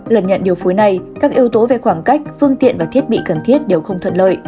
lần nhận điều phối này các yếu tố về khoảng cách phương tiện và thiết bị cần thiết đều không thuận lợi